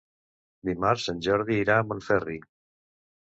Dimarts en Jordi irà a Montferri.